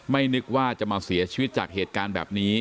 นึกว่าจะมาเสียชีวิตจากเหตุการณ์แบบนี้